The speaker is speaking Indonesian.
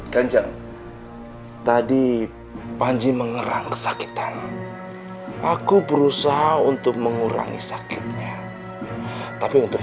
ganjar tadi panji mengerang kesakitan aku berusaha untuk mengurangi sakitnya tapi untuk